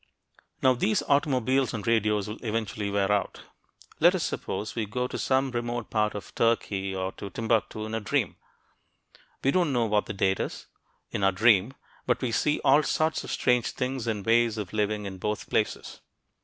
Now these automobiles and radios will eventually wear out. Let us suppose we could go to some remote part of Turkey or to Timbuktu in a dream. We don't know what the date is, in our dream, but we see all sorts of strange things and ways of living in both places.